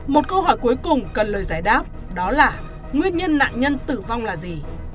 một câu hỏi cuối cùng cần lời giải đáp đó là nguyên nhân nạn nhân tử vong là gì